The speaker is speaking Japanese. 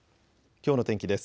きょうの天気です。